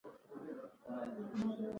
لومړۍ مرحله د وزارت له خوا تسوید دی.